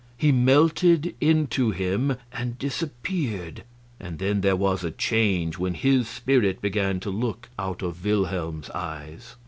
He melted into him and disappeared; and then there was a change, when his spirit began to look out of Wilhelm's eyes.